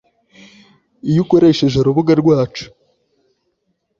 Iyo ukoresheje urubuga rwacu